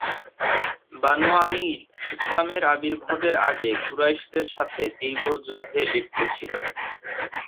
Banu Amir ইসলামের আবির্ভাবের আগে কুরাইশের সাথে দীর্ঘ যুদ্ধে লিপ্ত ছিল।